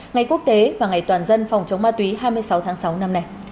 ngày quốc tế và ngày toàn dân phòng chống ma túy hai mươi sáu tháng sáu năm nay